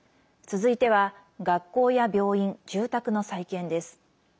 続いては、学校や病院住宅の再建です。